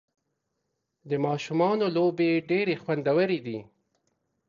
د ماشومانو لوبې ډېرې خوندورې دي.